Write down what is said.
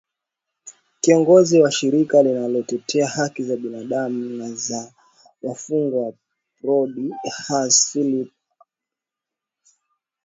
kiongozi wa shirika linalotetea haki za binaadam na za wafungwa prodi hass phillip lavloenibwa